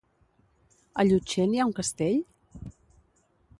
A Llutxent hi ha un castell?